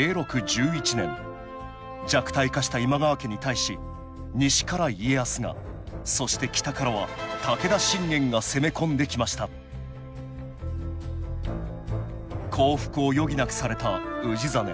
弱体化した今川家に対し西から家康がそして北からは武田信玄が攻め込んできました降伏を余儀なくされた氏真。